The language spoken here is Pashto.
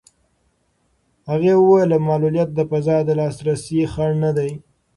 هغې وویل معلولیت د فضا د لاسرسي خنډ نه دی.